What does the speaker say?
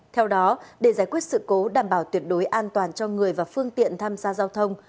theo đó để giải quyết sự cố đảm bảo tuyệt đối an toàn cho người và phương tiện tham gia giao thông